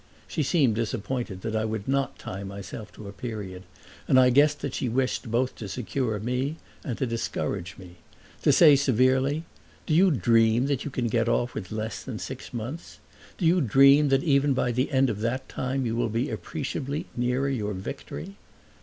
She seemed disappointed that I would not tie myself to a period, and I guessed that she wished both to secure me and to discourage me; to say severely, "Do you dream that you can get off with less than six months? Do you dream that even by the end of that time you will be appreciably nearer your victory?"